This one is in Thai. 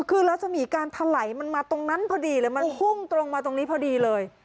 คือรัศมีการถลายมันมาตรงนั้นพอดีเลยมันพุ่งตรงมาตรงนี้พอดีเลย